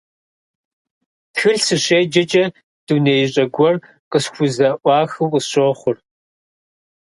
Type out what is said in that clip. Тхылъ сыщеджэкӀэ, дунеищӀэ гуэр къысхузэӀуахыу къысщохъур.